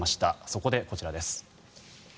そこで、こちらです。